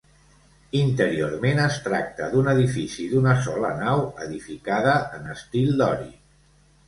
Interiorment es tracta d'un edifici d'una sola nau edificada en estil dòric.